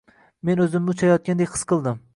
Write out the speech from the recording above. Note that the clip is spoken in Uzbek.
Men o`zimni uchayotgandek his qildim